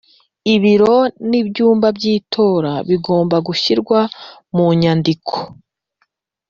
Ibiro n ibyumba by itora bigomba gushyirwa munyandiko